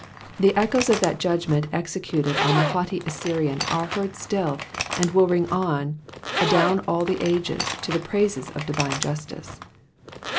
The echoes of that judgment executed on the haughty Assyrian are heard still, and will ring on adown all the ages, to the praise of divine justice.